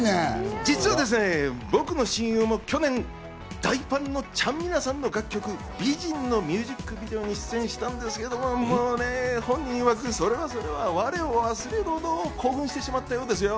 実はですね、僕の親友も去年、ちゃんみなさんの楽曲『美人』のミュージックビデオに出演したんですけどね、本人いわく、それはそれは我を忘れるほど興奮してしまったようですよ。